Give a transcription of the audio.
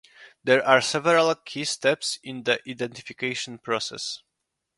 There are several key steps in the identification process.